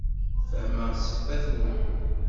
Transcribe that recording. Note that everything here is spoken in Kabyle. Fehmeɣ ssebbat-nwen.